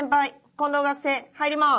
近藤学生入ります。